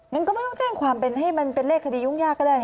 งั้นก็ไม่ต้องแจ้งความเป็นให้มันเป็นเลขคดียุ่งยากก็ได้